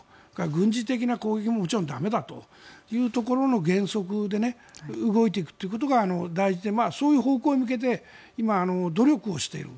軍事的な攻撃も駄目だというところの原則で動いていくことが大事でそういう方向に向けて今、努力をしている。